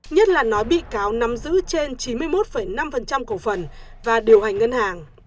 nhất là nói bị cáo nắm giữ trên chín mươi một năm cổ phần và điều hành ngân hàng